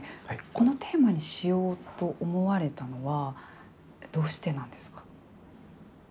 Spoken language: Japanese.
このテーマにしようと思われたのはどうしてなんですか。